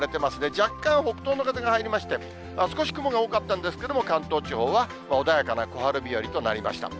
若干北東の風が入りまして、少し雲が多かったんですけれども、関東地方は穏やかな小春日和となりました。